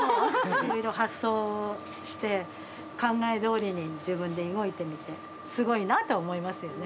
いろいろ発想して、考えどおりに自分で動いてみて、すごいなと思いますよね。